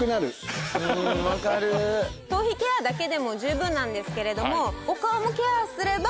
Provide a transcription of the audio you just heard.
頭皮ケアだけでも十分なんですけれども。